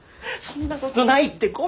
そんなことないって。